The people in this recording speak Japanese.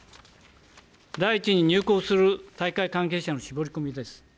第１に入国する大会関係者の絞り込みです。